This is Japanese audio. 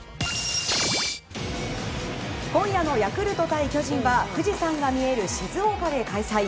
今夜のヤクルト対巨人は富士山が見える静岡で開催。